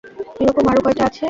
এরকম আরো কয়টা আছে?